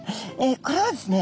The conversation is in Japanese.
これはですね